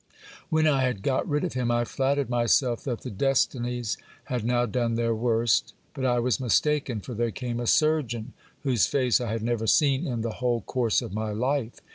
When I had got rid of him, I flattered myself that the destinies had now done their worst. But I was mistaken ; for there came a surgeon whose face I had never seen in the whole course of my life.